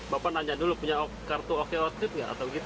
bapak nanya dulu punya kartu oko trip nggak